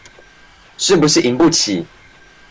是不是贏不起